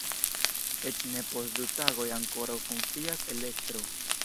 Eĉ ne post du tagoj ankoraŭ funkcias elektro.